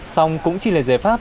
xong cũng chỉ là giải pháp